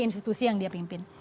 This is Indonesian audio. institusi yang dia pimpin